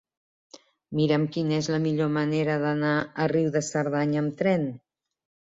Mira'm quina és la millor manera d'anar a Riu de Cerdanya amb tren.